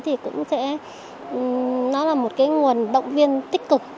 thì cũng sẽ nó là một cái nguồn động viên tích cực